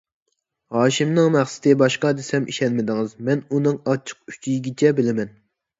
ھاشىمنىڭ مەقسىتى باشقا دېسەم ئىشەنمىدىڭىز، مەن ئۇنىڭ ئاچچىق ئۈچىيىگىچە بىلىمەن.